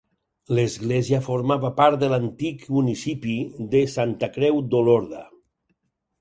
L'església formava part de l'antic municipi de Santa Creu d'Olorda.